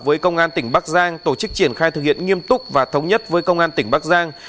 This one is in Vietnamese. với công an tỉnh bắc giang tổ chức triển khai thực hiện nghiêm túc và thống nhất với công an tỉnh bắc giang